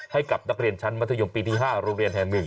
ให้กับนักเรียนชั้นมัธยมปีที่๕โรงเรียนแห่ง๑